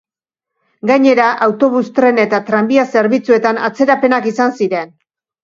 Gainera, autobus, tren eta tranbia zerbitzuetan atzerapenak izan ziren.